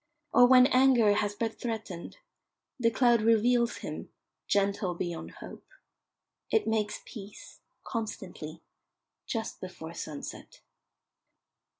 Or when anger had but threatened, the cloud reveals him, gentle beyond hope. It makes peace, constantly, just before sunset.